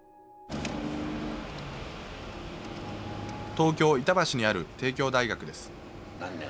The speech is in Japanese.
東京・板橋にある帝京大学です。